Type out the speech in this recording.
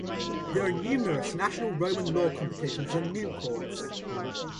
There are numerous national Roman law competitions and moot courts.